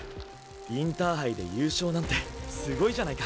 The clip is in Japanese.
インターハイで優勝なんてすごいじゃないか！